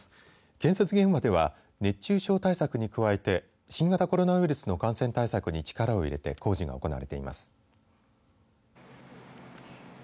建設現場では熱中症対策に加えて新型コロナウイルスの感染対策に力を入れて工事が行われています。